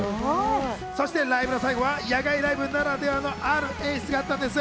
そしてライブの最後は野外ライブならではのある演出があったんです。